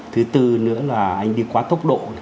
thứ tư nữa là anh đi quá tốc độ